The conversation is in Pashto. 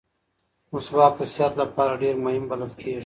مسواک د صحت لپاره ډېر مهم بلل کېږي.